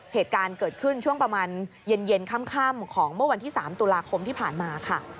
เหตุการณ์เกิดขึ้นช่วงประมาณเย็นค่ำของเมื่อวันที่๓ตุลาคมที่ผ่านมาค่ะ